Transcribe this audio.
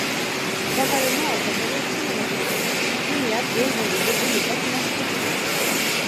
Parallèlement à sa carrière cinématographique, Sonja pose dans des revues de patinage populaires.